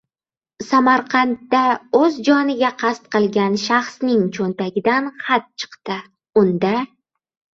Samarqandda o‘z joniga qasd qilgan shaxs cho‘ntagidan xat chiqdi. Unda...